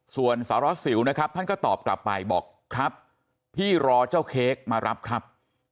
ส่วนสารวัสสิวนะครับท่านก็ตอบกลับไปบอกครับพี่รอเจ้าเค้กมารับครับ